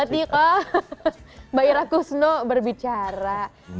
mbak ira kusno berbicara